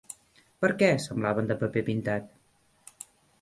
Per què, semblaven de paper pintat.